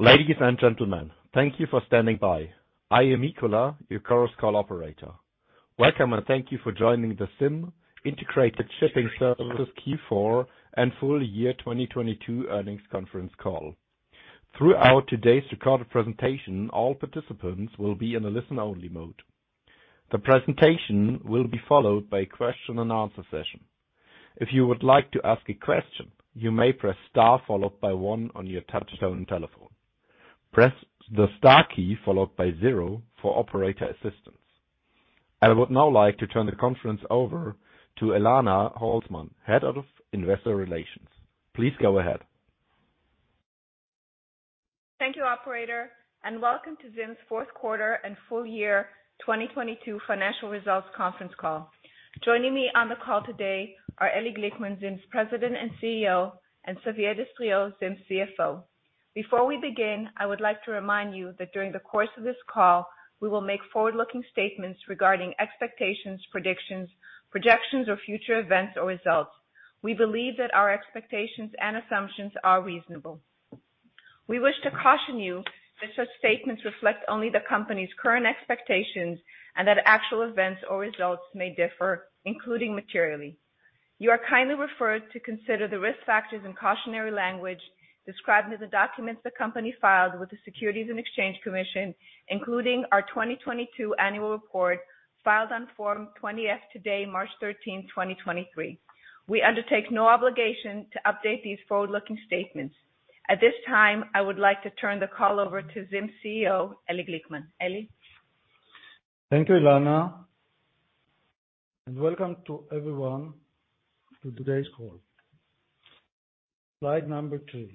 Ladies and gentlemen, thank you for standing by. I am Nicola, your Chorus Call operator. Welcome, and thank you for joining the ZIM Integrated Shipping Services Q4 and full year 2022 earnings conference call. Throughout today's recorded presentation, all participants will be in a listen-only mode. The presentation will be followed by question and answer session. If you would like to ask a question, you may press Star followed by one on your touch-tone telephone. Press the star key followed by zero for operator assistance. I would now like to turn the conference over to Elana Holzman, Head of Investor Relations. Please go ahead. Thank you, operator, and welcome to ZIM's fourth quarter and full year 2022 financial results conference call. Joining me on the call today are Eli Glickman, ZIM's President and CEO, and Xavier Destriau, ZIM's CFO. Before we begin, I would like to remind you that during the course of this call, we will make forward-looking statements regarding expectations, predictions, projections, or future events or results. We believe that our expectations and assumptions are reasonable. We wish to caution you that such statements reflect only the company's current expectations and that actual events or results may differ, including materially. You are kindly referred to consider the risk factors and cautionary language described in the documents the company filed with the Securities and Exchange Commission, including our 2022 annual report filed on Form 20-F today, March 13, 2023. We undertake no obligation to update these forward-looking statements. At this time, I would like to turn the call over to ZIM CEO, Eli Glickman. Eli. Thank you, Elana, welcome to everyone to today's call. Slide number two.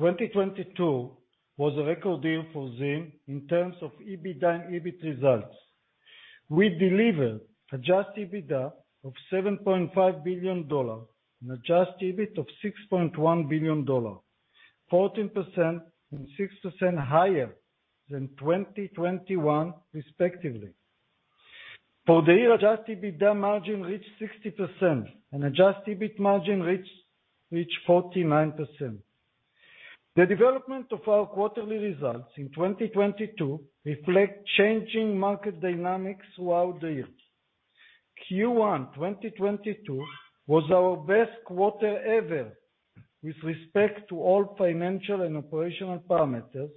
2022 was a record year for ZIM in terms of EBITDA and EBIT results. We delivered adjusted EBITDA of $7.5 billion and adjusted EBIT of $6.1 billion, 14% and 6% higher than 2021 respectively. For the year, adjusted EBITDA margin reached 60% and adjusted EBIT margin reached 49%. The development of our quarterly results in 2022 reflect changing market dynamics throughout the years. Q1 2022 was our best quarter ever with respect to all financial and operational parameters,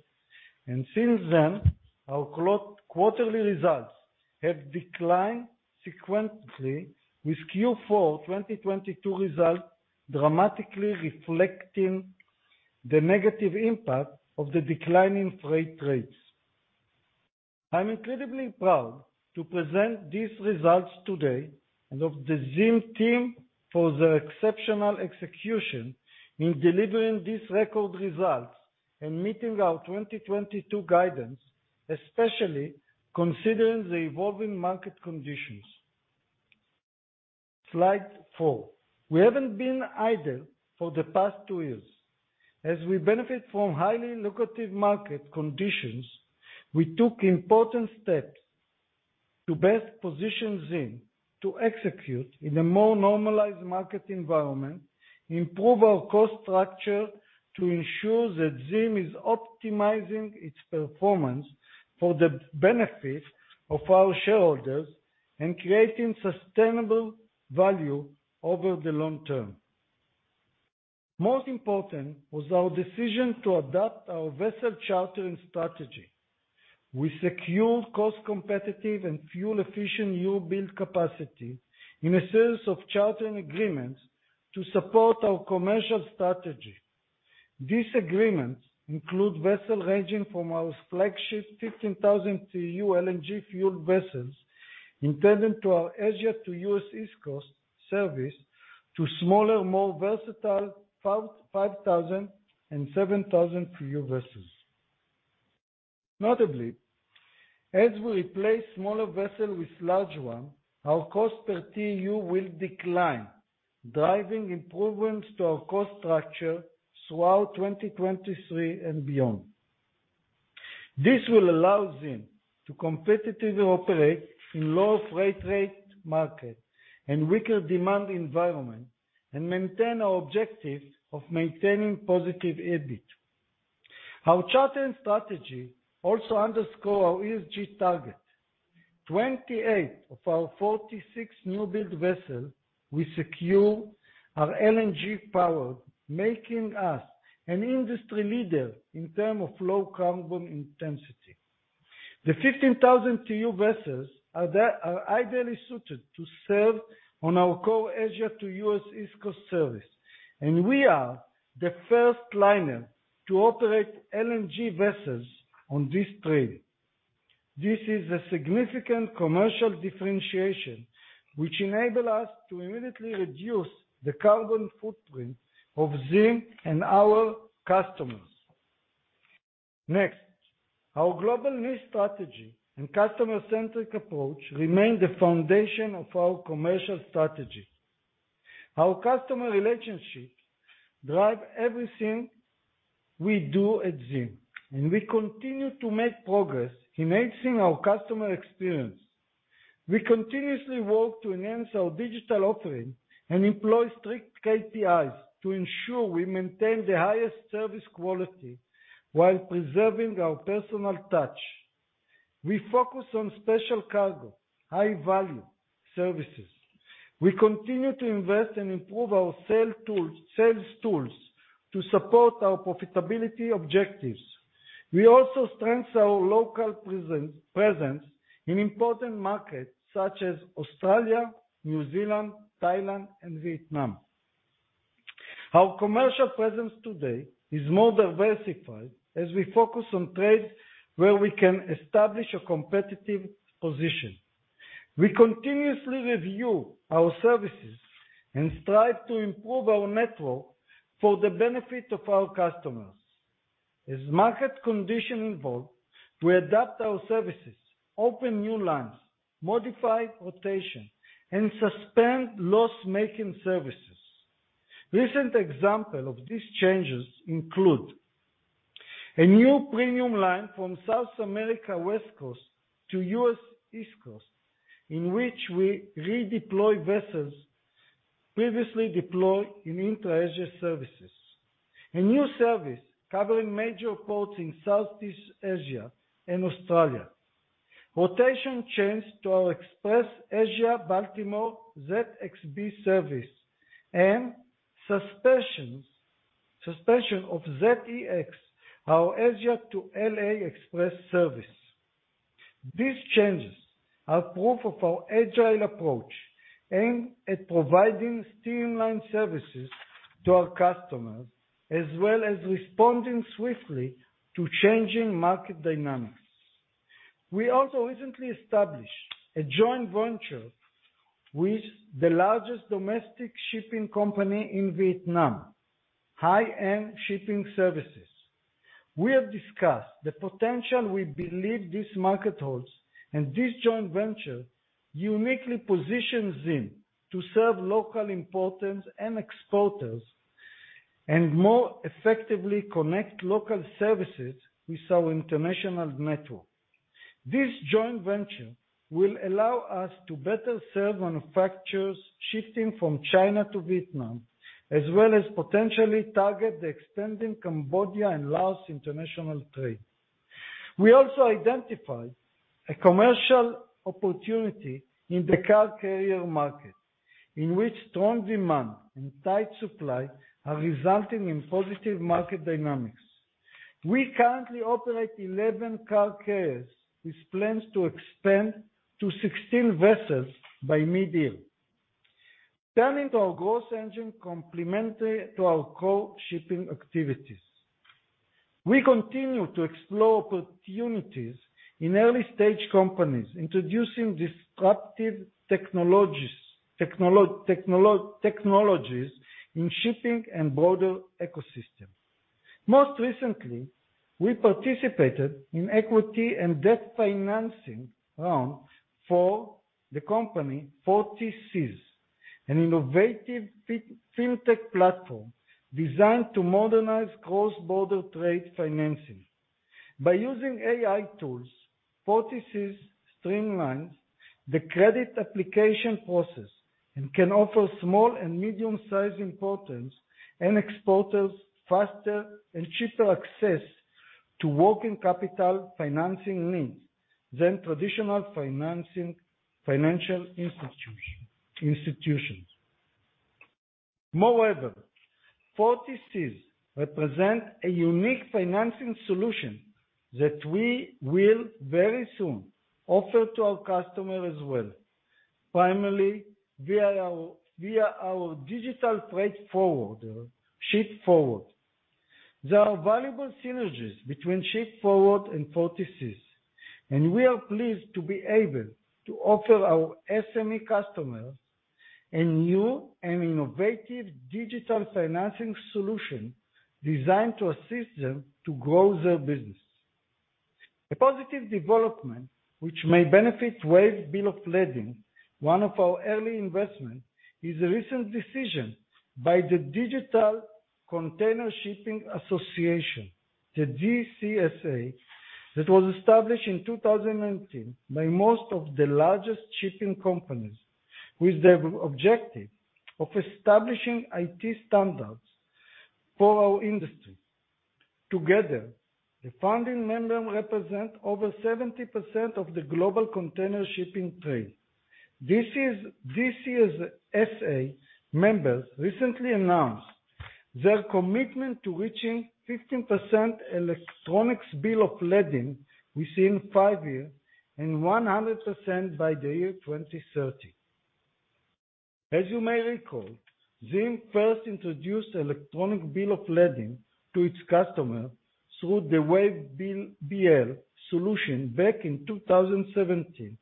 since then, our quarterly results have declined sequentially with Q4 2022 results dramatically reflecting the negative impact of the declining freight rates. I'm incredibly proud to present these results today and of the ZIM team for their exceptional execution in delivering these record results and meeting our 2022 guidance, especially considering the evolving market conditions. Slide four. We haven't been idle for the past two years. We benefit from highly lucrative market conditions, we took important steps to best position ZIM to execute in a more normalized market environment, improve our cost structure to ensure that ZIM is optimizing its performance for the benefit of our shareholders and creating sustainable value over the long term. Most important was our decision to adopt our vessel chartering strategy. We secured cost-competitive and fuel-efficient new build capacity in a series of chartering agreements to support our commercial strategy. These agreements include vessels ranging from our flagship 15,000 TEU LNG-fueled vessels intended to our Asia to U.S. East Coast service to smaller, more versatile 5,000 and 7,000 TEU vessels. Notably, as we replace smaller vessels with larger ones, our cost per TEU will decline, driving improvements to our cost structure throughout 2023 and beyond. This will allow ZIM to competitively operate in low freight rate markets and weaker demand environment and maintain our objective of maintaining positive EBIT. Our chartering strategy also underscores our ESG target. 28 of our 46 new build vessels we secure are LNG-powered, making us an industry leader in terms of low carbon intensity. The 15,000 TEU vessels are ideally suited to serve on our core Asia to U.S. East Coast service. We are the first liner to operate LNG vessels on this trade. This is a significant commercial differentiation which enable us to immediately reduce the carbon footprint of ZIM and our customers. Next, our global risk strategy and customer-centric approach remain the foundation of our commercial strategy. Our customer relationship drive everything we do at ZIM, and we continue to make progress in enhancing our customer experience. We continuously work to enhance our digital offering and employ strict KPIs to ensure we maintain the highest service quality while preserving our personal touch. We focus on special cargo, high-value services. We continue to invest and improve our sales tools to support our profitability objectives. We also strengthen our local presence in important markets such as Australia, New Zealand, Thailand, and Vietnam. Our commercial presence today is more diversified as we focus on trades where we can establish a competitive position. We continuously review our services and strive to improve our network for the benefit of our customers. As market condition evolve, we adapt our services, open new lines, modify rotation, and suspend loss-making services. Recent example of these changes include a new premium line from South America West Coast to U.S. East Coast, in which we redeploy vessels previously deployed in intra-Asia services. A new service covering major ports in Southeast Asia and Australia. Rotation change to our Express Asia-Baltimore ZXB service and suspension of ZEX, our Asia to L.A. Express service. These changes are proof of our agile approach aimed at providing streamlined services to our customers, as well as responding swiftly to changing market dynamics. We also recently established a joint venture with the largest domestic shipping company in Vietnam, Hai An shipping services. We have discussed the potential we believe this market holds, and this joint venture uniquely positions ZIM to serve local importance and exporters, and more effectively connect local services with our international network. This joint venture will allow us to better serve manufacturers shifting from China to Vietnam, as well as potentially target the expanding Cambodia and Laos international trade. We also identified a commercial opportunity in the car carrier market, in which strong demand and tight supply are resulting in positive market dynamics. We currently operate 11 car carriers, with plans to expand to 16 vessels by mid-year. Turning to our growth engine complementary to our core shipping activities. We continue to explore opportunities in early-stage companies introducing disruptive technologies in shipping and broader ecosystem. Most recently, we participated in equity and debt financing round for the company 40Seas, an innovative fintech platform designed to modernize cross-border trade financing. By using AI tools, 40Seas streamlines the credit application process and can offer small and medium-sized importance and exporters faster and cheaper access to working capital financing needs than traditional financial institutions. Moreover, 40Seas represent a unique financing solution that we will very soon offer to our customer as well. Primarily, via our digital trade forwarder, Ship4wd. There are valuable synergies between Ship4wd and 40Seas, we are pleased to be able to offer our SME customers a new and innovative digital financing solution designed to assist them to grow their business. A positive development which may benefit WAVE bill of lading, one of our early investment, is a recent decision by the Digital Container Shipping Association, the DCSA, that was established in 2018 by most of the largest shipping companies, with the objective of establishing IT standards for our industry. Together, the founding members represent over 70% of the global container shipping trade. DCSA members recently announced their commitment to reaching 15% electronic bill of lading within five years and 100% by the year 2030. As you may recall, ZIM first introduced electronic bill of lading to its customer through the WAVE BL solution back in 2017.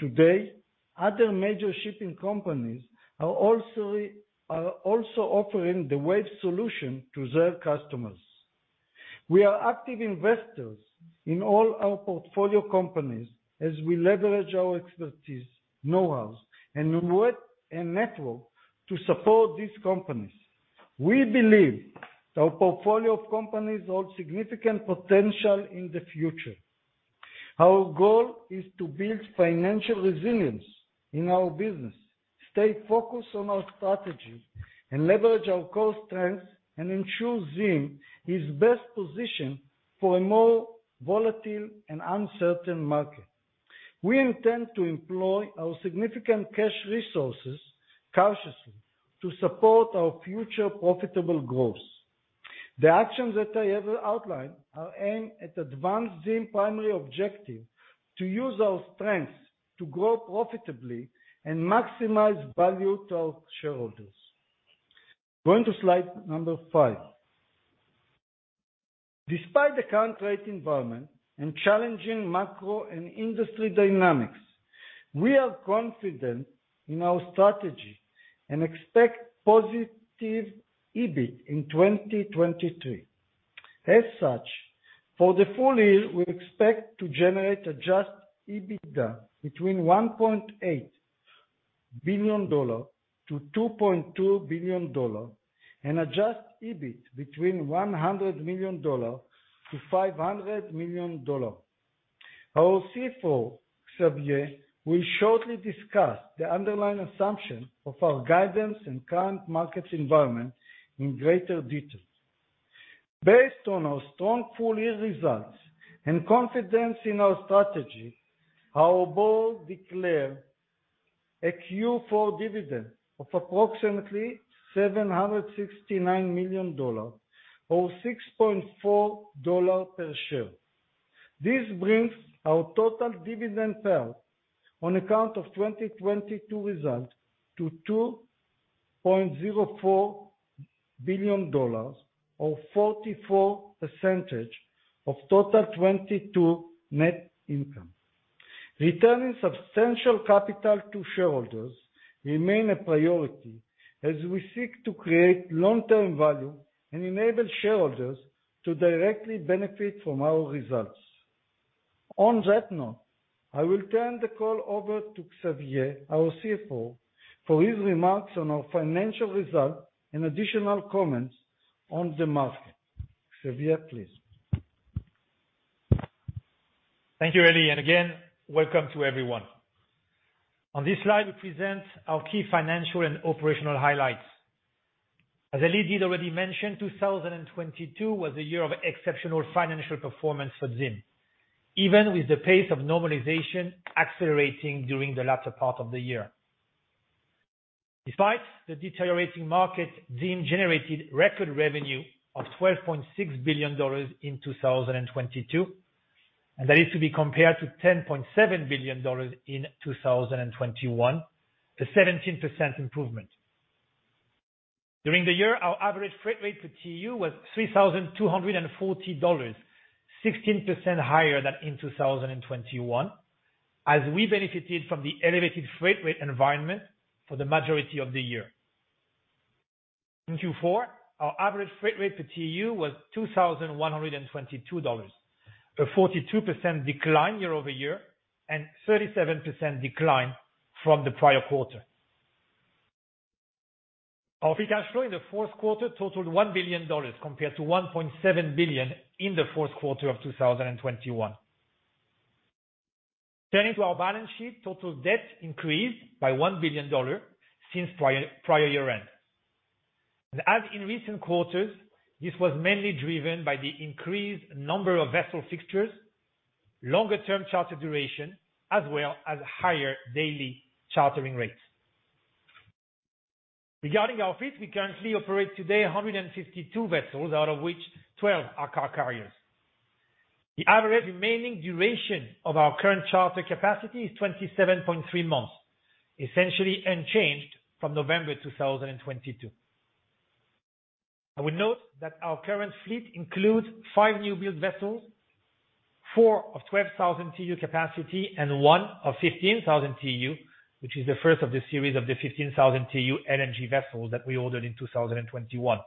Today, other major shipping companies are also offering the WAVE solution to their customers. We are active investors in all our portfolio companies as we leverage our expertise, know-hows, and network to support these companies. We believe our portfolio of companies hold significant potential in the future. Our goal is to build financial resilience in our business, stay focused on our strategy, and leverage our core strengths and ensure ZIM is best positioned for a more volatile and uncertain market. We intend to employ our significant cash resources cautiously to support our future profitable growth. The actions that I have outlined are aimed at advanced ZIM primary objective to use our strengths to grow profitably and maximize value to our shareholders. Going to slide number five. Despite the current rate environment and challenging macro and industry dynamics, we are confident in our strategy and expect positive EBIT in 2023. As such, for the full year, we expect to generate adjusted EBITDA between $1.8 billion-$2.2 billion and adjust EBIT between $100 million-$500 million. Our CFO, Xavier, will shortly discuss the underlying assumption of our guidance and current markets environment in greater detail. Based on our strong full-year results and confidence in our strategy, our board declare a Q4 dividend of approximately $769 million or $6.4 per share. This brings our total dividend payout on account of 2022 results to $2.04 billion, or 44% of total 2022 net income. Returning substantial capital to shareholders remain a priority as we seek to create long-term value and enable shareholders to directly benefit from our results. On that note, I will turn the call over to Xavier, our CFO, for his remarks on our financial results and additional comments on the market. Xavier, please. Thank you, Eli. Again, welcome to everyone. On this slide, we present our key financial and operational highlights. As Eli did already mention, 2022 was a year of exceptional financial performance for ZIM, even with the pace of normalization accelerating during the latter part of the year. Despite the deteriorating market, ZIM generated record revenue of $12.6 billion in 2022, that is to be compared to $10.7 billion in 2021, a 17% improvement. During the year, our average freight rate per TEU was $3,240, 16% higher than in 2021, as we benefited from the elevated freight rate environment for the majority of the year. In Q4, our average freight rate per TEU was $2,122, a 42% decline year-over-year and 37% decline from the prior quarter. Our free cash flow in the fourth quarter totaled $1 billion compared to $1.7 billion in the fourth quarter of 2021. Turning to our balance sheet, total debt increased by $1 billion since prior year-end. As in recent quarters, this was mainly driven by the increased number of vessel fixtures, longer-term charter duration, as well as higher daily chartering rates. Regarding our fleet, we currently operate today 152 vessels, out of which 12 are car carriers. The average remaining duration of our current charter capacity is 27.3 months, essentially unchanged from November 2022. I would note that our current fleet includes five new build vessels, four of 12,000 TEU capacity, and one of 15,000 TEU, which is the first of the series of the 15,000 TEU LNG vessels that we ordered in 2021.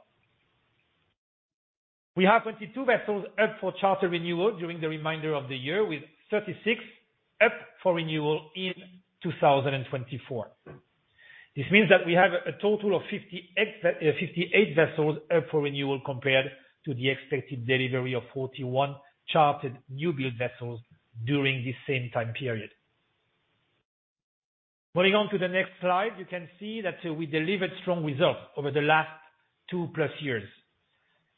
We have 22 vessels up for charter renewal during the reminder of the year, with 36 up for renewal in 2024. This means that we have a total of 58 vessels up for renewal compared to the expected delivery of 41 chartered new build vessels during the same time period. Moving on to the next slide, you can see that we delivered strong results over the last two-plus years.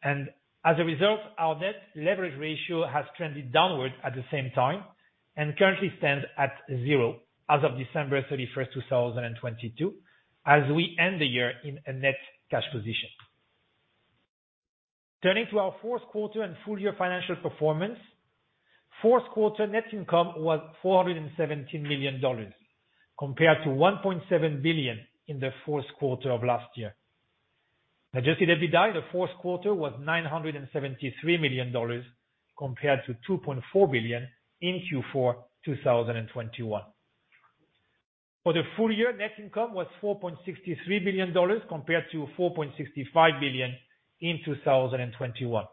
As a result, our net leverage ratio has trended downward at the same time and currently stands at 0 as of December 31, 2022, as we end the year in a net cash position. Turning to our fourth quarter and full year financial performance. Fourth quarter net income was $417 million, compared to $1.7 billion in the fourth quarter of last year. Adjusted EBITDA in the fourth quarter was $973 million, compared to $2.4 billion in Q4 2021. For the full year, net income was $4.63 billion, compared to $4.65 billion in 2021.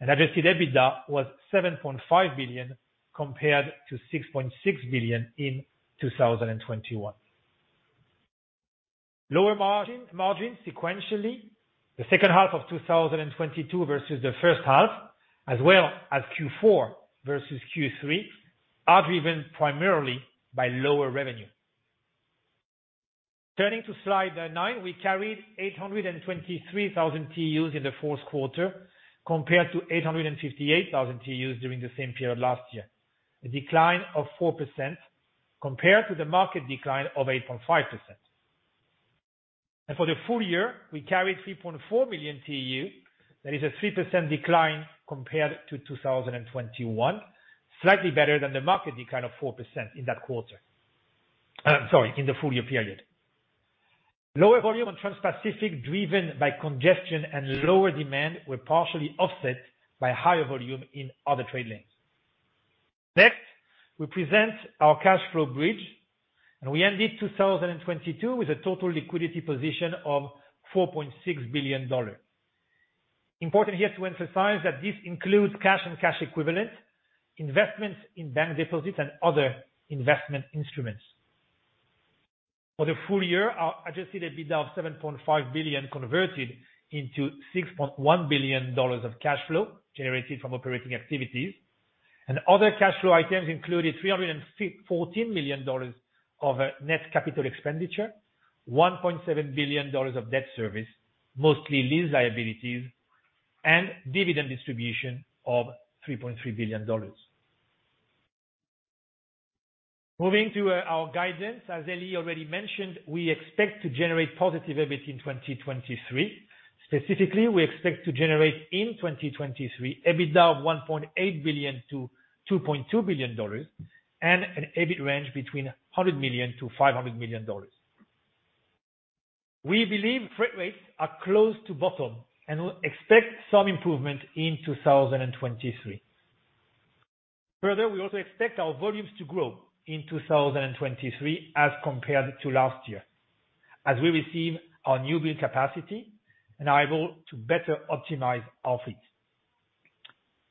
Adjusted EBITDA was $7.5 billion compared to $6.6 billion in 2021. Lower margin sequentially, the second half of 2022 versus the first half, as well as Q4 versus Q3, are driven primarily by lower revenue. Turning to slide nine, we carried 823,000 TEUs in the fourth quarter compared to 858,000 TEUs during the same period last year. A decline of 4% compared to the market decline of 8.5%. For the full year, we carried 3.4 million TEU. That is a 3% decline compared to 2021, slightly better than the market decline of 4% in that quarter. Sorry, in the full year period. Lower volume on Transpacific, driven by congestion and lower demand, were partially offset by higher volume in other trade lanes. Next, we present our cash flow bridge, we ended 2022 with a total liquidity position of $4.6 billion. Important here to emphasize that this includes cash and cash equivalents, investments in bank deposits, and other investment instruments. For the full year, our adjusted EBITDA of $7.5 billion converted into $6.1 billion of cash flow generated from operating activities. Other cash flow items included $314 million of net capital expenditure, $1.7 billion of debt service, mostly lease liabilities and dividend distribution of $3.3 billion. Moving to our guidance. As Eli already mentioned, we expect to generate positive EBIT in 2023. Specifically, we expect to generate in 2023 EBITDA of $1.8 billion-$2.2 billion and an EBIT range between $100 million-$500 million. We believe freight rates are close to bottom and will expect some improvement in 2023. Further, we also expect our volumes to grow in 2023 as compared to last year as we receive our new build capacity and are able to better optimize our fleet.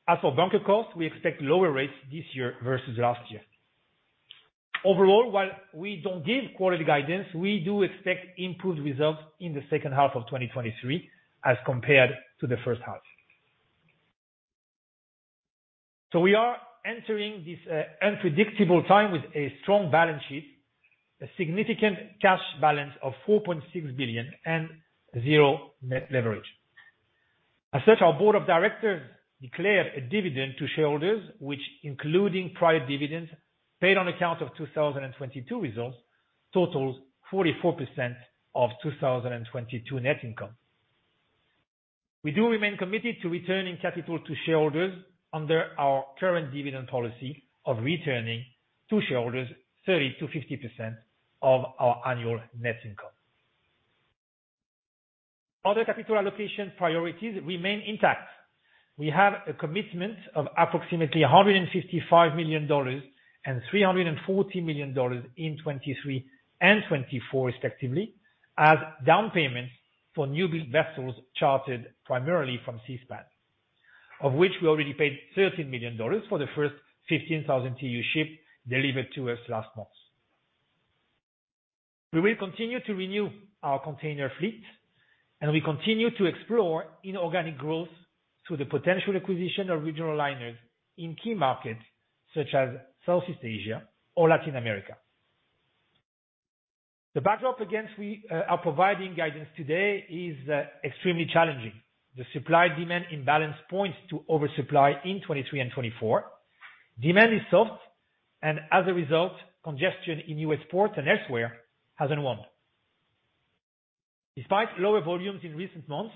As for bunker costs, we expect lower rates this year versus last year. Overall, while we don't give quarterly guidance, we do expect improved results in the second half of 2023 as compared to the first half. We are entering this unpredictable time with a strong balance sheet, a significant cash balance of $4.6 billion and zero net leverage. As such, our board of directors declared a dividend to shareholders which including prior dividends paid on account of 2022 results totals 44% of 2022 net income. We do remain committed to returning capital to shareholders under our current dividend policy of returning to shareholders 30%-50% of our annual net income. Other capital allocation priorities remain intact. We have a commitment of approximately $155 million and $340 million in 2023 and 2024 respectively as down payments for new build vessels chartered primarily from Seaspan, of which we already paid $13 million for the first 15,000 TEU ship delivered to us last month. We will continue to renew our container fleet, and we continue to explore inorganic growth through the potential acquisition of regional liners in key markets such as Southeast Asia or Latin America. The backdrop against we are providing guidance today is extremely challenging. The supply-demand imbalance points to oversupply in 2023 and 2024. Demand is soft, and as a result, congestion in US ports and elsewhere hasn't warmed. Despite lower volumes in recent months,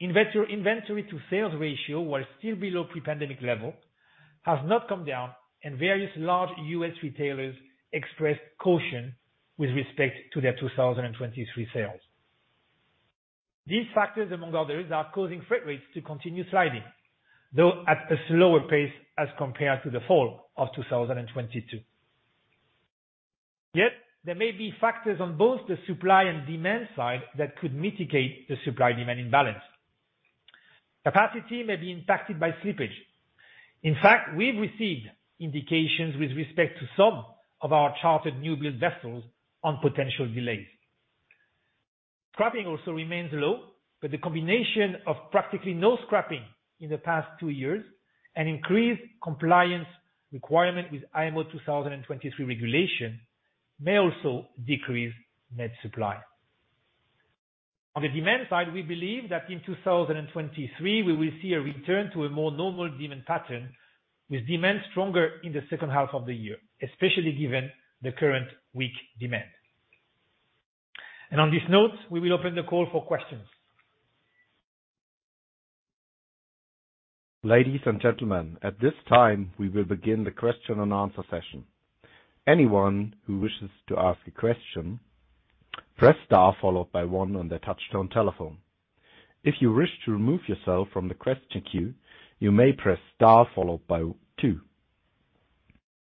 inventory to sales ratio, while still below pre-pandemic level, has not come down, and various large US retailers expressed caution with respect to their 2023 sales. These factors, among others, are causing freight rates to continue sliding, though at a slower pace as compared to the fall of 2022. There may be factors on both the supply and demand side that could mitigate the supply-demand imbalance. Capacity may be impacted by slippage. In fact, we've received indications with respect to some of our chartered new build vessels on potential delays. Scrapping also remains low, but the combination of practically no scrapping in the past two years and increased compliance requirement with IMO 2023 regulation may also decrease net supply. On the demand side, we believe that in 2023 we will see a return to a more normal demand pattern with demand stronger in the second half of the year, especially given the current weak demand. On this note, we will open the call for questions. Ladies and gentlemen, at this time, we will begin the question and answer session. Anyone who wishes to ask a question, press star followed by one on their touchtone telephone. If you wish to remove yourself from the question queue, you may press star followed by two.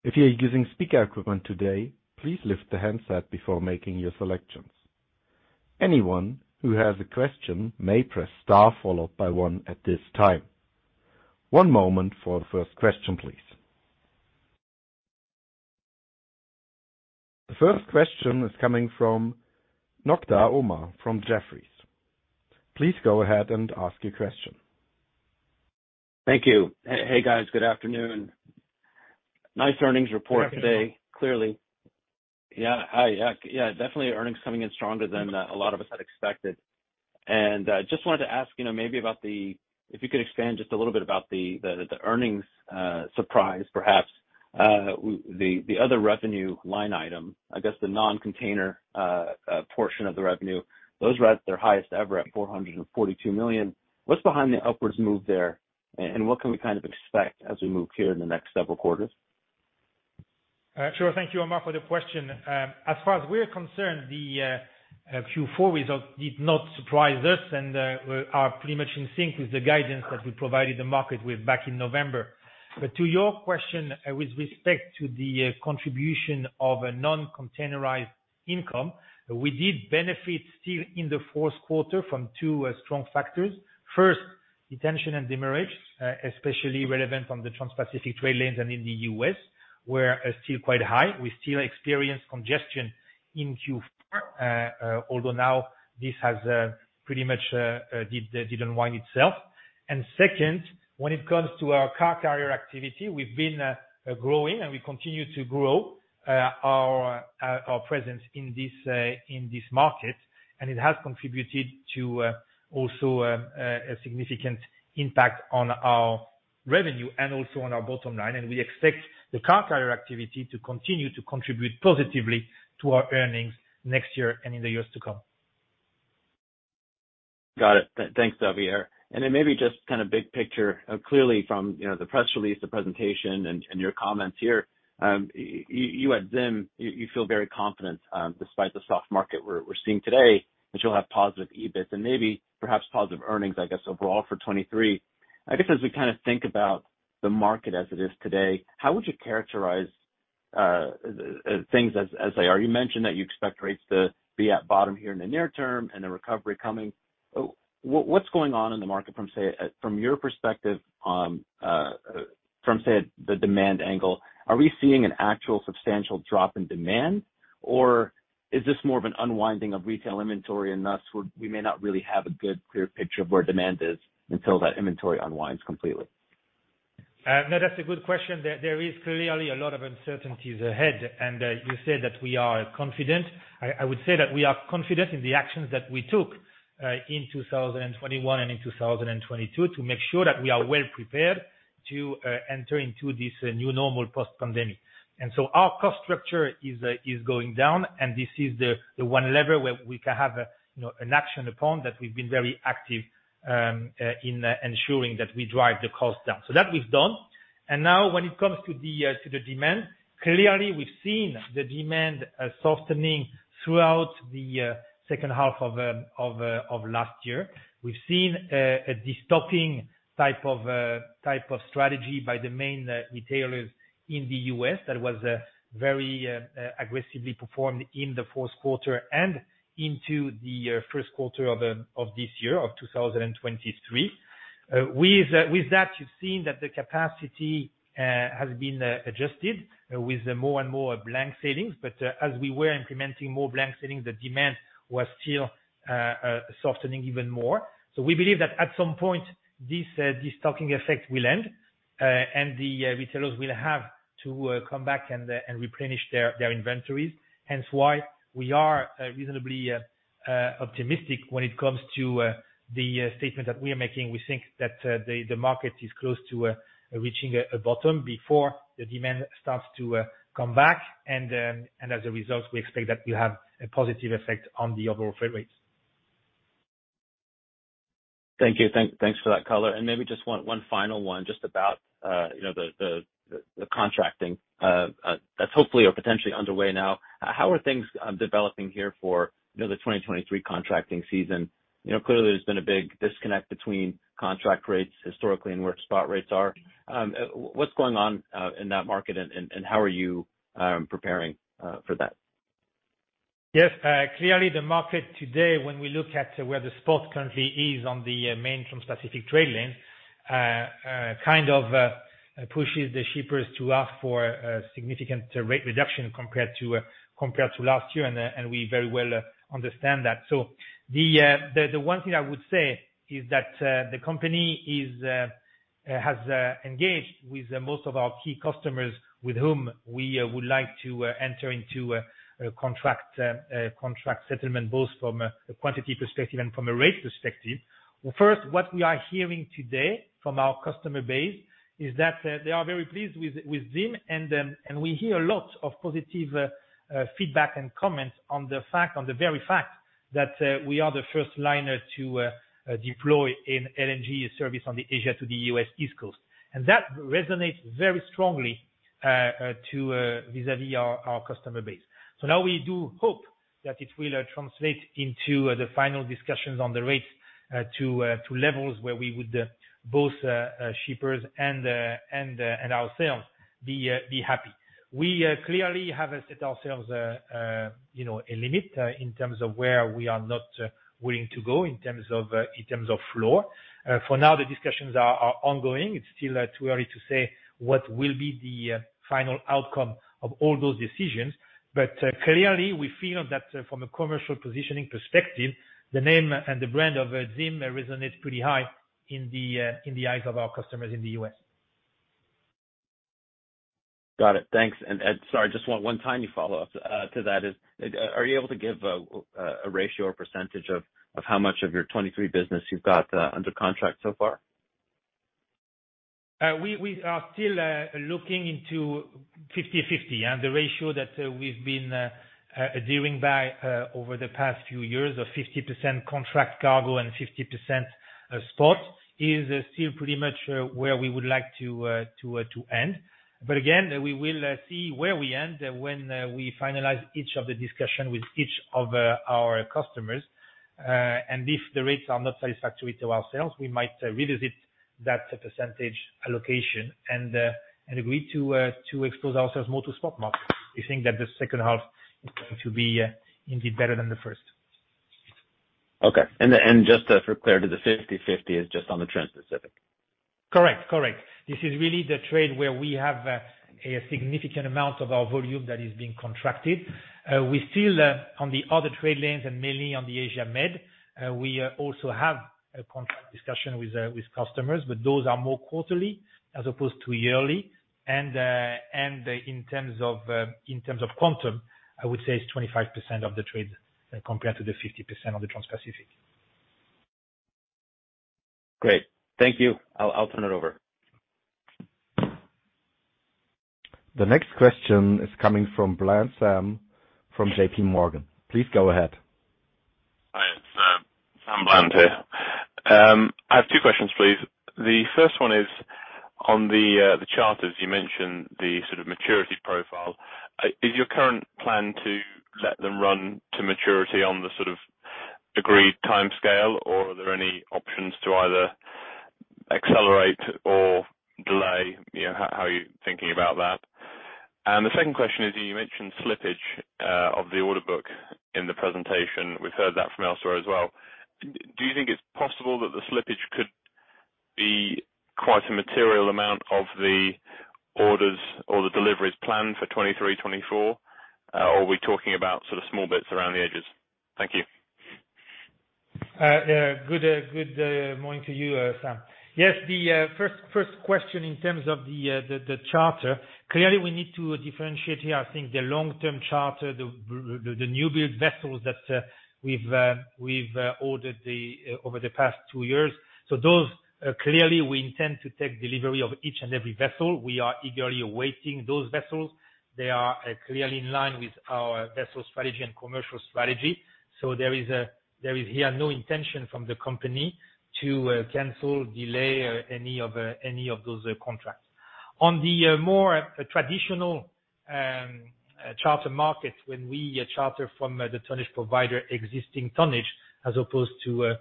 If you're using speaker equipment today, please lift the handset before making your selections. Anyone who has a question may press star followed by one at this time. One moment for the first question, please. The first question is coming from Omar Nokta from Jefferies. Please go ahead and ask your question. Thank you. Hey, guys. Good afternoon. Nice earnings report today. Clearly. Yeah. Hi. Yeah, definitely earnings coming in stronger than a lot of us had expected. Just wanted to ask, you know, maybe about the. If you could expand just a little bit about the earnings surprise perhaps. The other revenue line item, I guess, the non-container portion of the revenue, those are at their highest ever at $442 million. What's behind the upwards move there, and what can we kind of expect as we move here in the next several quarters? Sure. Thank you, Omar, for the question. As far as we're concerned, the Q4 result did not surprise us, and we are pretty much in sync with the guidance that we provided the market with back in November. To your question, with respect to the contribution of a non-containerized income, we did benefit still in the fourth quarter from two strong factors. First, detention and demurrage, especially relevant on the Transpacific trade lanes and in the U.S., were still quite high. We still experience congestion in Q4, although now this has pretty much did unwind itself. Second, when it comes to our car carrier activity, we've been growing and we continue to grow our presence in this market, and it has contributed to also a significant impact on our revenue and also on our bottom line. We expect the car carrier activity to continue to contribute positively to our earnings next year and in the years to come. Got it. Thanks, Xavier. Then maybe just kind of big picture, clearly from, you know, the press release, the presentation and your comments here, you at ZIM, you feel very confident, despite the soft market we're seeing today, that you'll have positive EBITs and maybe perhaps positive earnings, I guess, overall for 2023. I guess, as we kind of think about the market as it is today, how would you characterize the things as they are? You mentioned that you expect rates to be at bottom here in the near term and the recovery coming. What's going on in the market from, say, from your perspective on from, say, the demand angle? Are we seeing an actual substantial drop in demand, or is this more of an unwinding of retail inventory and thus we may not really have a good clear picture of where demand is until that inventory unwinds completely? No, that's a good question. There is clearly a lot of uncertainties ahead. You said that we are confident. I would say that we are confident in the actions that we took in 2021 and in 2022 to make sure that we are well prepared to enter into this new normal post-pandemic. Our cost structure is going down, and this is the one lever where we can have, you know, an action upon that we've been very active in ensuring that we drive the cost down. That we've done. Now when it comes to the demand, clearly we've seen the demand softening throughout the second half of last year. We've seen a destocking type of strategy by the main retailers in the U.S. that was very aggressively performed in the fourth quarter and into the first quarter of this year, of 2023. With that, you've seen that the capacity has been adjusted with more and more blank sailings. As we were implementing more blank sailings, the demand was still softening even more. We believe that at some point, this stocking effect will end, and the retailers will have to come back and replenish their inventories, hence why we are reasonably optimistic when it comes to the statement that we are making. We think that the market is close to reaching a bottom before the demand starts to come back, and then, and as a result, we expect that we have a positive effect on the overall freight rates. Thank you. Thanks for that color. Maybe just one final one just about, you know, the contracting that's hopefully or potentially underway now. How are things developing here for, you know, the 2023 contracting season? You know, clearly there's been a big disconnect between contract rates historically and where spot rates are. What's going on in that market and how are you preparing for that? Yes. Clearly the market today, when we look at where the spot currently is on the main Transpacific trade lane, kind of pushes the shippers to ask for a significant rate reduction compared to last year, and we very well understand that. The one thing I would say is that the company has engaged with most of our key customers with whom we would like to enter into a contract settlement both from a quantity perspective and from a rate perspective. First, what we are hearing today from our customer base is that they are very pleased with ZIM, and we hear a lot of positive feedback and comments on the very fact that we are the first liner to deploy an LNG service on the Asia to the U.S. East Coast. That resonates very strongly to vis-a-vis our customer base. Now we do hope that it will translate into the final discussions on the rates to levels where we would, both, shippers and ourselves be happy. We clearly have set ourselves, you know, a limit in terms of where we are not willing to go in terms of floor. For now, the discussions are ongoing. It's still too early to say what will be the final outcome of all those decisions. Clearly we feel that from a commercial positioning perspective, the name and the brand of ZIM resonates pretty high in the eyes of our customers in the U.S. Got it. Thanks. Sorry, just one tiny follow-up, to that is, are you able to give, a ratio or percentage of how much of your 2023 business you've got, under contract so far? We are still looking into 50/50. The ratio that we've been dealing by over the past few years of 50% contract cargo and 50% spot, is still pretty much where we would like to end. Again, we will see where we end when we finalize each of the discussion with each of our customers. If the rates are not satisfactory to ourselves, we might revisit that percentage allocation and agree to expose ourselves more to spot market. We think that the second half is going to be indeed better than the first. Okay. just for clarity, the 50/50 is just on the Transpacific? Correct. Correct. This is really the trade where we have a significant amount of our volume that is being contracted. We still, on the other trade lanes and mainly on the Asia Med, we also have a contract discussion with customers, but those are more quarterly as opposed to yearly. In terms of quantum, I would say it's 25% of the trade, compared to the 50% of the Transpacific. Great. Thank you. I'll turn it over. The next question is coming from Sam Bland from JPMorgan. Please go ahead. Hi, it's Sam Bland here. I have two questions, please. The first one is on the charters. You mentioned the sort of maturity profile. Is your current plan to let them run to maturity on the sort of agreed timescale, or are there any options to either accelerate or delay? You know, how are you thinking about that? The second question is, you mentioned slippage of the order book in the presentation. We've heard that from elsewhere as well. Do you think it's possible that the slippage could be quite a material amount of the orders or the deliveries planned for 2023, 2024? Or are we talking about sort of small bits around the edges? Thank you. Good morning to you, Sam. Yes, the first question in terms of the charter. Clearly, we need to differentiate here, I think, the long-term charter, the new build vessels that we've ordered over the past two years. Those clearly we intend to take delivery of each and every vessel. We are eagerly awaiting those vessels. They are clearly in line with our vessel strategy and commercial strategy. There is here no intention from the company to cancel, delay any of those contracts. On the more traditional charter market when we charter from the tonnage provider existing tonnage, as opposed to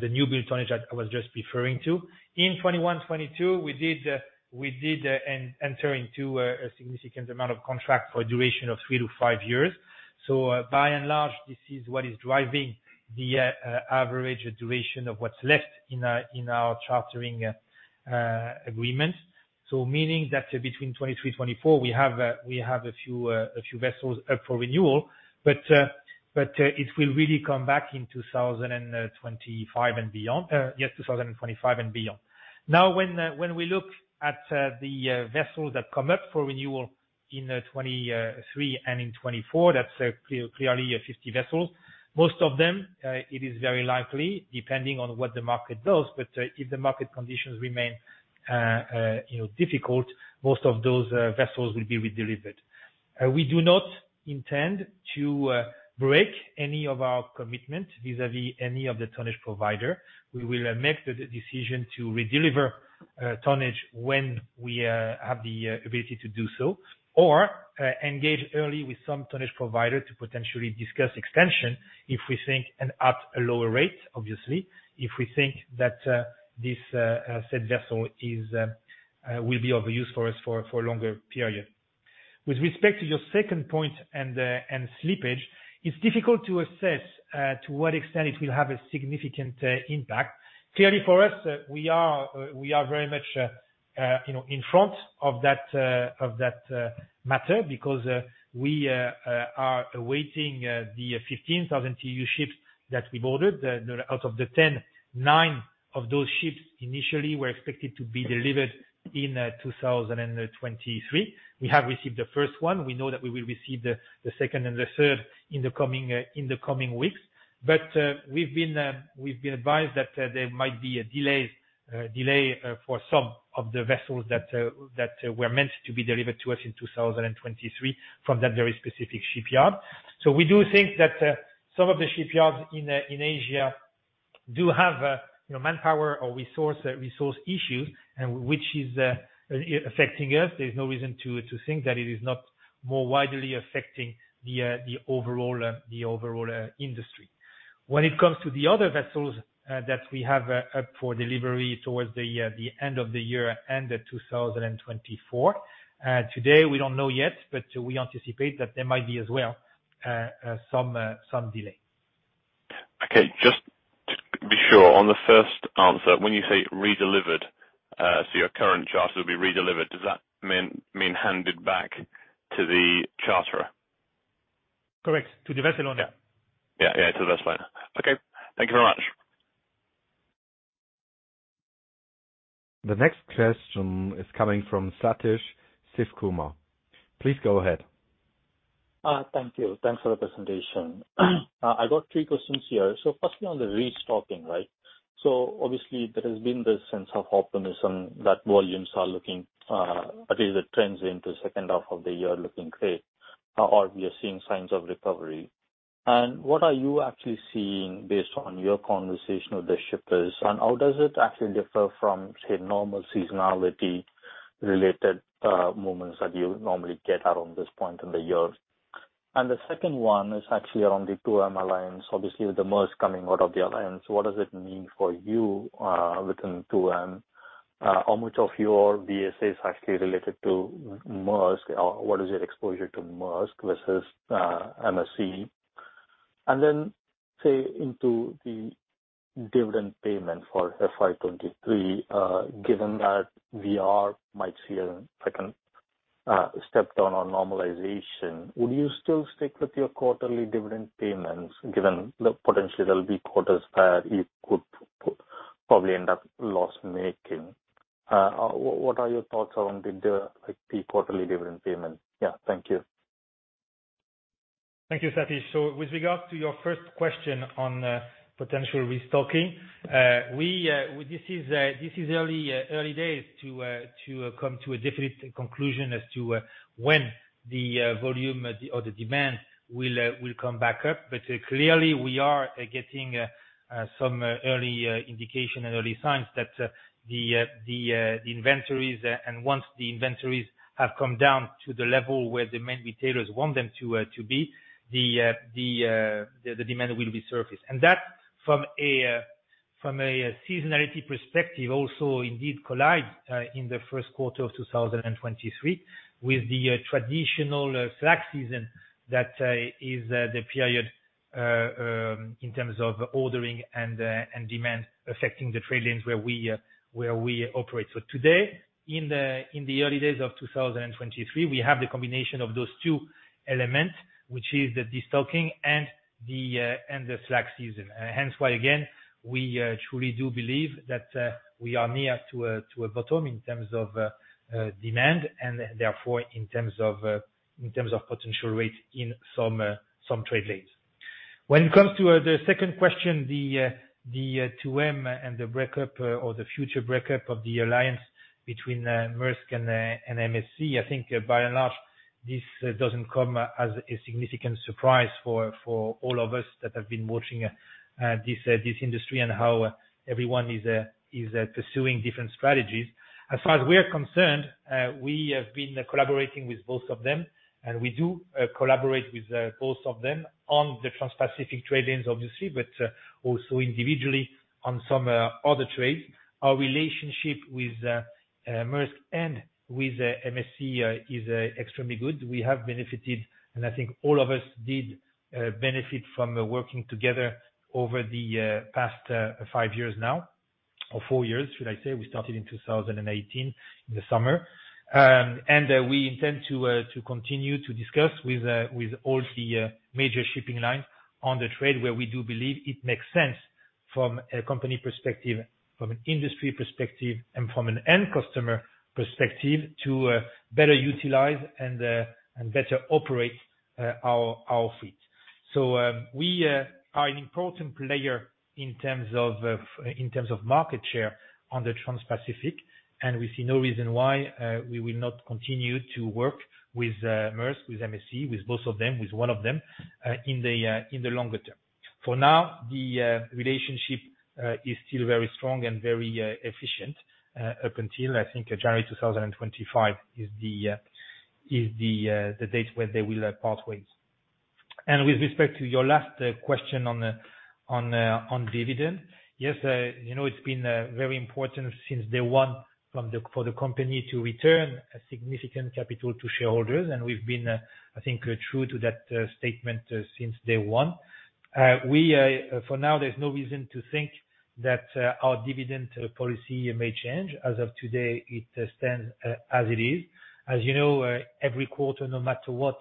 the new build tonnage that I was just referring to. In 2021, 2022, we did enter into a significant amount of contract for a duration of three to five years. By and large, this is what is driving the average duration of what's left in our chartering agreement. Meaning that between 2023, 2024, we have a few vessels up for renewal, but it will really come back in 2025 and beyond. Yes, 2025 and beyond. When we look at the vessels that come up for renewal in 2023 and in 2024, that's clearly 50 vessels. Most of them, it is very likely, depending on what the market does, but if the market conditions remain, you know, difficult, most of those vessels will be redelivered. We do not intend to break any of our commitment vis-a-vis any of the tonnage provider. We will make the decision to redeliver tonnage when we have the ability to do so, or engage early with some tonnage provider to potentially discuss extension if we think and at a lower rate, obviously. If we think that this said vessel is will be of use for us for a longer period. With respect to your second point and slippage, it's difficult to assess to what extent it will have a significant impact. Clearly, for us, we are very much, you know, in front of that matter because we are awaiting the 15,000 TEU ships that we've ordered. Out of the 10, nine of those ships initially were expected to be delivered in 2023. We have received the first one. We know that we will receive the second and third in the coming weeks. We've been advised that there might be a delay for some of the vessels that were meant to be delivered to us in 2023 from that very specific shipyard. We do think that some of the shipyards in Asia-Do have a, you know, manpower or resource issue and which is affecting us. There's no reason to think that it is not more widely affecting the overall industry. When it comes to the other vessels that we have up for delivery towards the end of the year and 2024, today, we don't know yet, but we anticipate that there might be as well some delay. Okay. Just to be sure on the first answer, when you say redelivered, your current charter will be redelivered, does that mean handed back to the charterer? Correct. To the vessel owner. Yeah. Yeah, yeah, to the vessel owner. Okay. Thank you very much. The next question is coming from Sathish Sivakumar. Please go ahead. Thank you. Thanks for the presentation. I got three questions here. Firstly, on the restocking, right? Obviously there has been this sense of optimism that volumes are looking, at least the trends into second half of the year are looking great, or we are seeing signs of recovery. What are you actually seeing based on your conversation with the shippers, and how does it actually differ from, say, normal seasonality related moments that you normally get around this point in the year? The second one is actually around the 2M alliance, obviously with Maersk coming out of the alliance. What does it mean for you within 2M? How much of your BSA is actually related to Maersk, or what is your exposure to Maersk versus MSC? Say, into the dividend payment for FY 2023, given that VR might see a second step down on normalization, would you still stick with your quarterly dividend payments, given the potential there'll be quarters that it could probably end up loss-making? What are your thoughts on the like, the quarterly dividend payment? Yeah. Thank you. Thank you, Sathish. With regards to your first question on potential restocking, we, this is early days to come to a definite conclusion as to when the volume or the demand will come back up. Clearly we are getting some early indication and early signs that the inventories and once the inventories have come down to the level where the main retailers want them to be, the demand will resurface. That from a seasonality perspective also indeed collides in the first quarter of 2023 with the traditional slack season that is the period in terms of ordering and demand affecting the trade lanes where we operate. Today, in the early days of 2023, we have the combination of those two elements, which is the destocking and the slack season. Hence why, again, we truly do believe that we are near to a bottom in terms of demand and therefore in terms of potential rates in some trade lanes. When it comes to the second question, the 2M and the breakup or the future breakup of the alliance between Maersk and MSC, I think by and large, this doesn't come as a significant surprise for all of us that have been watching this industry and how everyone is pursuing different strategies. As far as we are concerned, we have been collaborating with both of them and we do collaborate with both of them on the Transpacific trade lanes obviously, but also individually on some other trades. Our relationship with Maersk and with MSC is extremely good. We have benefited, and I think all of us did benefit from working together over the past five years now, or four years, should I say. We started in 2018, in the summer. We intend to continue to discuss with all the major shipping lines on the trade where we do believe it makes sense from a company perspective, from an industry perspective and from an end customer perspective to better utilize and better operate our fleet. We are an important player in terms of in terms of market share on the Transpacific, and we see no reason why we will not continue to work with Maersk, with MSC, with both of them, with one of them in the longer term. For now, the relationship is still very strong and very efficient, up until I think January 2025 is the date where they will part ways. With respect to your last question on the dividend, yes, you know, it's been very important since day one for the company to return a significant capital to shareholders, and we've been, I think, true to that statement since day one. For now, there's no reason to think that our dividend policy may change. As of today, it stands as it is. As you know, every quarter, no matter what,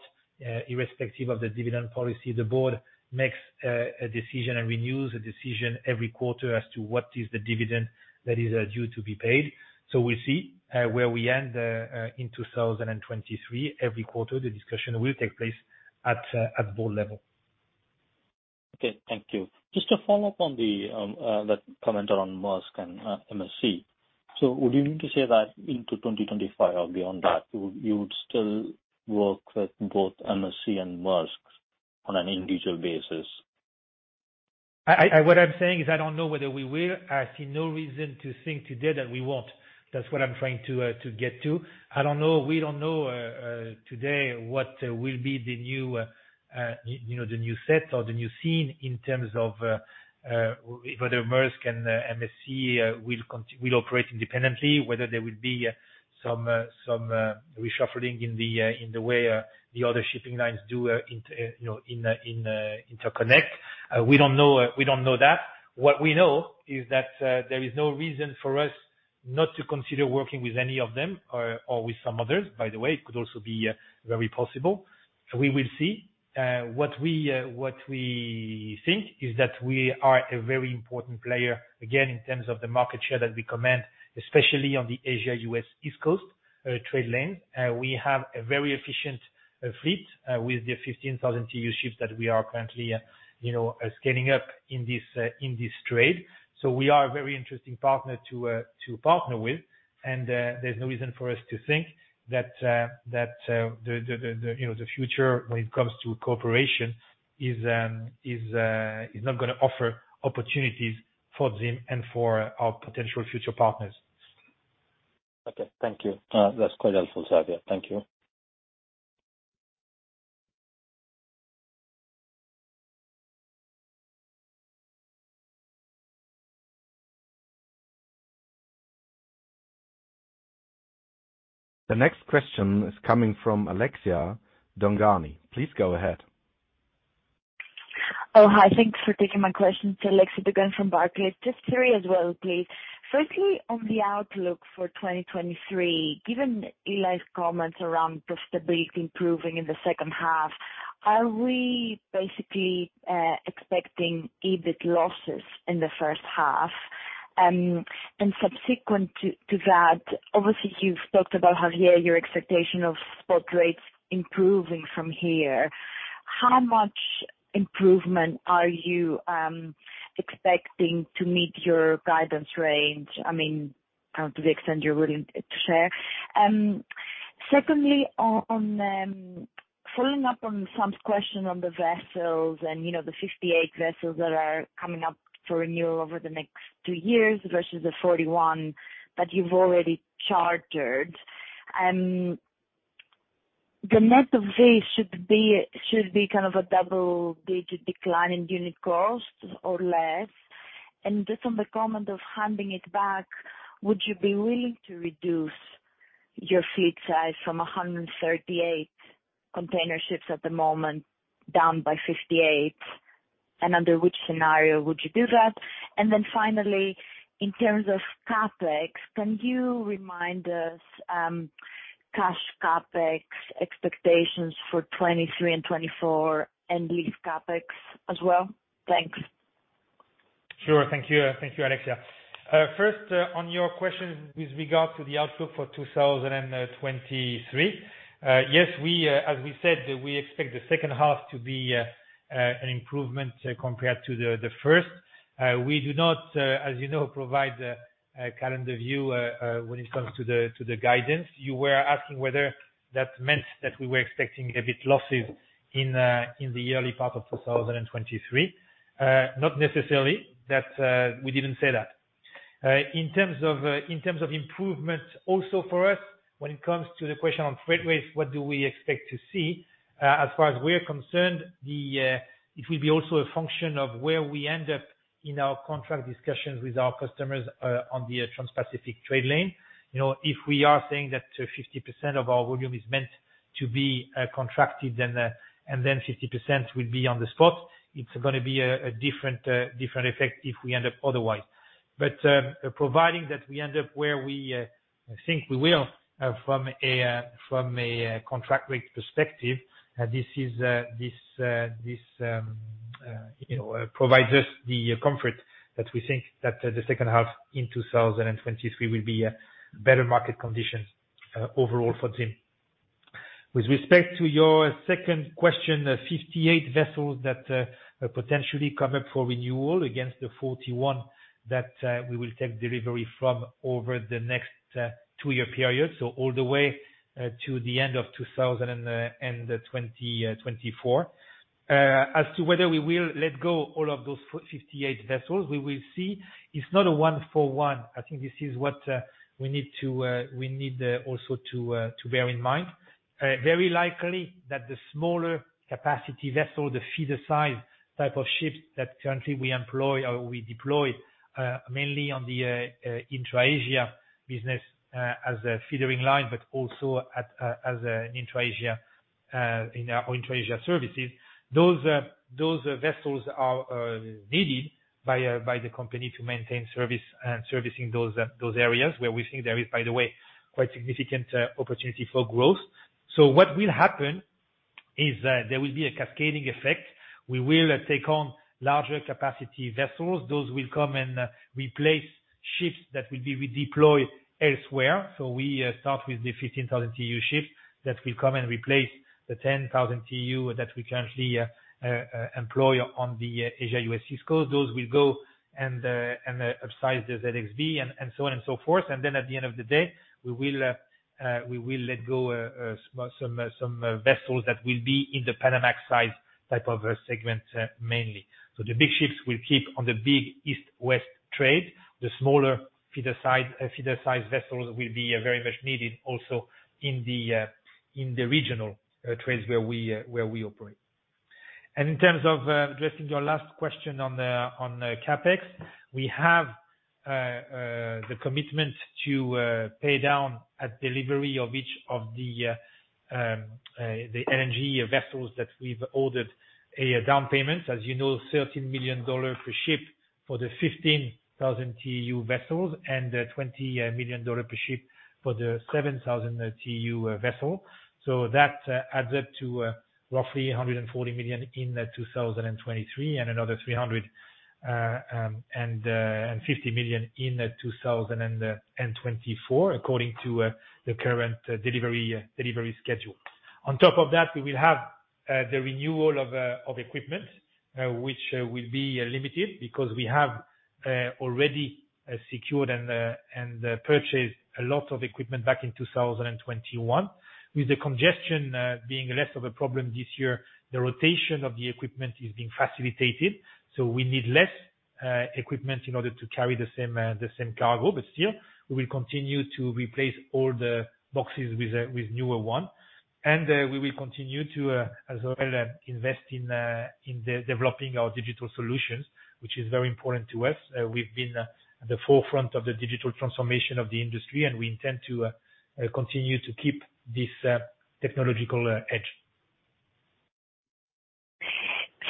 irrespective of the dividend policy, the board makes a decision and renews a decision every quarter as to what is the dividend that is due to be paid. We'll see where we end in 2023. Every quarter, the discussion will take place at board level. Okay. Thank you. Just to follow up on the, that comment on Maersk and, MSC. Would you mean to say that into 2025 or beyond that, you would still work with both MSC and Maersk on an individual basis? I, what I'm saying is I don't know whether we will. I see no reason to think today that we won't. That's what I'm trying to get to. I don't know. We don't know today what will be the new, you know, the new set or the new scene in terms of whether Maersk and MSC will operate independently, whether there will be some reshuffling in the way the other shipping lines do into, you know, in interconnect. We don't know. We don't know that. What we know is that there is no reason for us not to consider working with any of them or with some others. By the way, it could also be very possible. We will see. What we think is that we are a very important player, again, in terms of the market share that we command, especially on the Asia-US East Coast trade lane. We have a very efficient fleet with the 15,000 TEU ships that we are currently, you know, scaling up in this trade. We are a very interesting partner to partner with. There's no reason for us to think that the future when it comes to cooperation is not gonna offer opportunities for ZIM and for our potential future partners. Okay. Thank you. That's quite helpful, Xavier. Thank you. The next question is coming from Alexia Dogani. Please go ahead. Oh, hi. Thanks for taking my question. It's Alexia Dogani from Barclays. Just three as well, please. Firstly, on the outlook for 2023, given Eli's comments around profitability improving in the second half, are we basically expecting EBIT losses in the first half? Subsequent to that, obviously you've talked about, Xavier, your expectation of spot rates improving from here. How much improvement are you expecting to meet your guidance range? I mean, kind of to the extent you're willing to share. Secondly, following up on Sam's question on the vessels and, you know, the 58 vessels that are coming up for renewal over the next two years versus the 41 that you've already chartered. The net of this should be kind of a double-digit decline in unit costs or less. Just on the comment of handing it back, would you be willing to reduce your fleet size from 138 container ships at the moment, down by 58? Under which scenario would you do that? Then finally, in terms of CapEx, can you remind us, cash CapEx expectations for 2023 and 2024 and lease CapEx as well? Thanks. Sure. Thank you. Thank you, Alexia. First, on your question with regard to the outlook for 2023. Yes, we, as we said, we expect the second half to be an improvement compared to the first. We do not, as you know, provide a calendar view when it comes to the guidance. You were asking whether that meant that we were expecting EBIT losses in the early part of 2023. Not necessarily that, we didn't say that. In terms of improvements also for us when it comes to the question on freight rates, what do we expect to see? ncerned, it will be also a function of where we end up in our contract discussions with our customers on the Transpacific trade lane. You know, if we are saying that 50% of our volume is meant to be contracted, then 50% will be on the spot. It's going to be a different effect if we end up otherwise. But providing that we end up where we think we will, from a contract rate perspective, this is this, you know, provides us the comfort that we think that the second half in 2023 will be a better market conditions overall for ZIM With respect to your second question, 58 vessels that potentially come up for renewal against the 41 that we will take delivery from over the next two-year period, so all the way to the end of 2024. As to whether we will let go all of those 58 vessels, we will see. It's not a one for one. I think this is what we need to, we need also to bear in mind. Very likely that the smaller capacity vessel, the feeder size type of ships that currently we employ or we deploy, mainly on the intra-Asia business, as a feeding line, but also as an intra-Asia, in our intra-Asia services. Those vessels are needed by the company to maintain service and servicing those areas where we think there is, by the way, quite significant opportunity for growth. What will happen is that there will be a cascading effect. We will take on larger capacity vessels. Those will come and replace ships that will be redeployed elsewhere. We start with the 15,000 CEU ships that will come and replace the 10,000 CEU that we currently employ on the Asia-U.S. Coast. Those will go and upsize the ZEX and so on and so forth. At the end of the day, we will let go some vessels that will be in the Panamax size type of segment mainly. The big ships will keep on the big east-west trade. The smaller feeder side, feeder-sized vessels will be very much needed also in the regional trades where we operate. In terms of addressing your last question on the CapEx, we have the commitment to pay down at delivery of each of the energy vessels that we've ordered a down payment. As you know, $13 million per ship for the 15,000 TEU vessels and $20 million per ship for the 7,000 TEU vessel. That adds up to roughly $140 million in 2023 and another $350 million in 2024, according to the current delivery schedule. On top of that, we will have the renewal of equipment, which will be limited because we have already secured and purchased a lot of equipment back in 2021. With the congestion being less of a problem this year, the rotation of the equipment is being facilitated, so we need less equipment in order to carry the same cargo. Still, we will continue to replace all the boxes with newer one. We will continue to as well invest in developing our digital solutions, which is very important to us. We've been at the forefront of the digital transformation of the industry, and we intend to continue to keep this technological edge.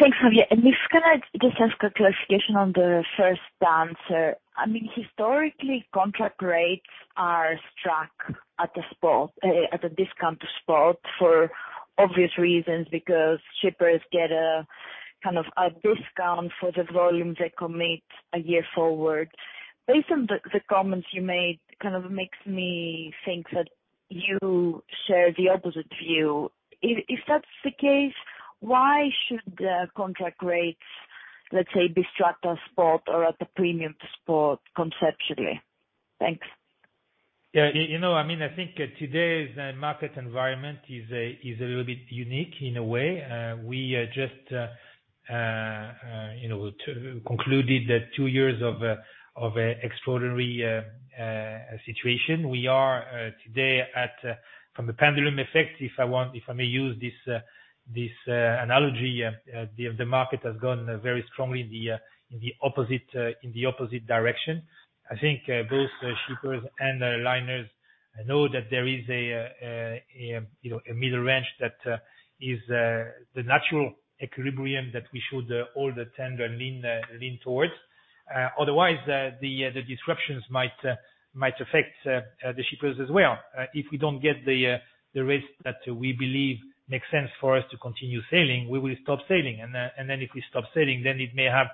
Thanks, Xavier. If can I just ask a clarification on the first answer? I mean, historically, contract rates are struck at the spot, at a discount to spot for obvious reasons, because shippers get a kind of a discount for the volume they commit a year forward. Based on the comments you made, kind of makes me think that you share the opposite view. If that's the case, why should the contract rates, let's say, be struck at spot or at a premium to spot conceptually? Thanks. Yeah. You, you know, I mean, I think today's market environment is a little bit unique in a way. We just, you know, concluded the two years of extraordinary situation. We are today at from the pendulum effect, if I want, if I may use this analogy. The market has gone very strongly in the opposite, in the opposite direction. I think both the shippers and the liners know that there is a, you know, a middle range that is the natural equilibrium that we should all tend and lean towards. Otherwise the disruptions might affect the shippers as well. If we don't get the rates that we believe makes sense for us to continue sailing, we will stop sailing. If we stop sailing, then it may have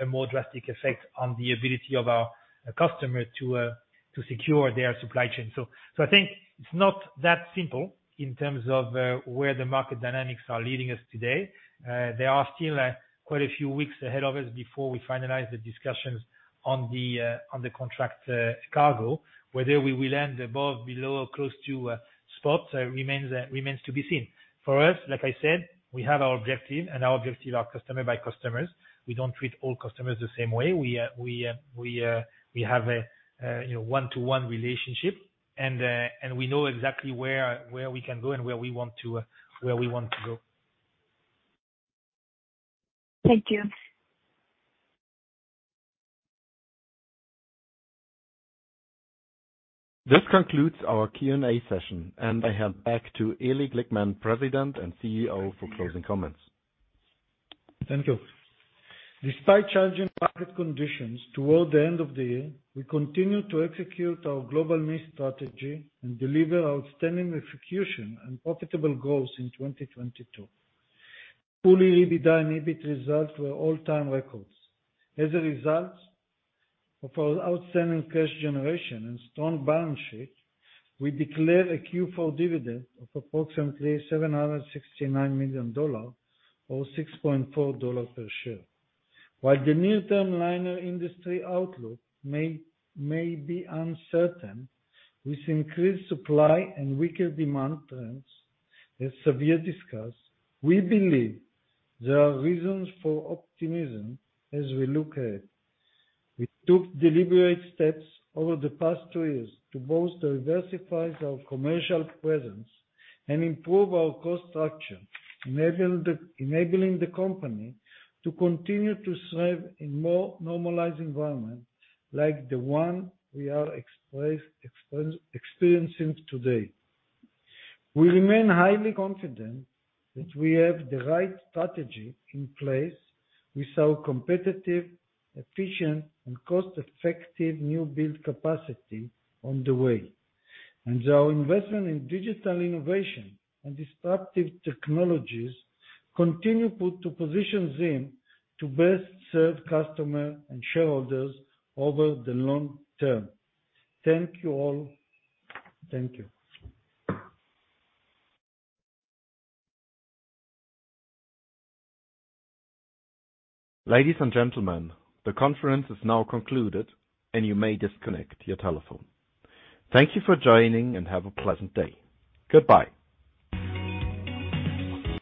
a more drastic effect on the ability of our customer to secure their supply chain. I think it's not that simple in terms of where the market dynamics are leading us today. There are still quite a few weeks ahead of us before we finalize the discussions on the contract cargo. Whether we will end above, below or close to spot remains to be seen. For us, like I said, we have our objective and our objective are customer by customers. We don't treat all customers the same way. We have a one-to-one relationship, and we know exactly where we can go and where we want to go. Thank you. This concludes our Q&A session. I hand back to Eli Glickman, President and CEO for closing comments. Thank you. Despite challenging market conditions toward the end of the year, we continued to execute our global niche strategy and deliver outstanding execution and profitable growth in 2022. Full year EBITDA and EBIT results were all-time records. As a result of our outstanding cash generation and strong balance sheet, we declared a Q4 dividend of approximately $769 million or $6.4 per share. While the near-term liner industry outlook may be uncertain with increased supply and weaker demand trends, as Xavier discussed, we believe there are reasons for optimism as we look ahead. We took deliberate steps over the past two years to both diversify our commercial presence and improve our cost structure, enabling the company to continue to serve in more normalized environment like the one we are experiencing today. We remain highly confident that we have the right strategy in place with our competitive, efficient, and cost-effective new build capacity on the way. Our investment in digital innovation and disruptive technologies continue put to position ZIM to best serve customers and shareholders over the long term. Thank you all. Thank you. Ladies and gentlemen, the conference is now concluded, and you may disconnect your telephone. Thank you for joining, and have a pleasant day. Goodbye.